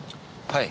はい。